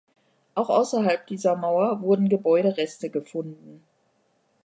Auch außerhalb dieser Mauer wurden Gebäudereste gefunden.